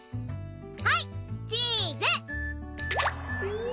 はいチーズ！